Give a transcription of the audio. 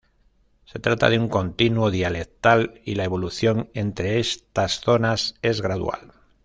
Se trata de un continuo dialectal y la evolución entre estas zonas es gradual.